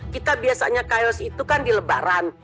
kita biasanya chaos itu kan di lebaran